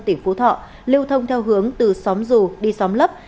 tỉnh phú thọ lưu thông theo hướng từ xóm dù đi xóm lấp